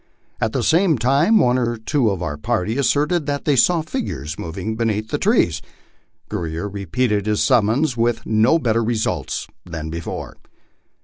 At the same time one or two of our party asserted that they saw figures moving beneath the trees. Gurrier repeated his summons, but with no better result than before.